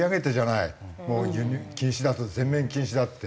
もう輸入禁止だと全面禁止だって。